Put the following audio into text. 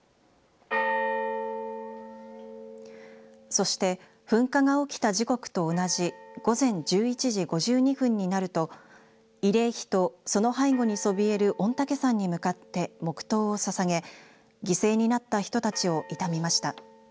そして噴火が起きた時刻と同じ午前１１時５２分になると慰霊碑と、その背後にそびえる御嶽山に向かって黙とうをささげ犠牲になった人たちを悼みました。